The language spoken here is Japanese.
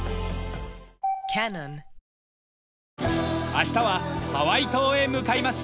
明日はハワイ島へ向かいます。